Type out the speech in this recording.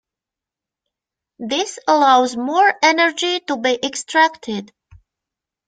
This allows more energy to be extracted.